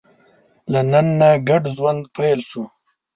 له نن نه ګډ ژوند پیل شو.